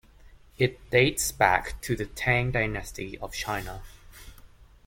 It dates back to the Tang Dynasty of China.